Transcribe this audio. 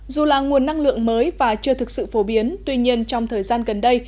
dù là nguồn năng lượng mới và chưa thực sự phổ biến tuy nhiên trong thời gian gần đây